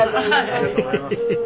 ありがとうございます。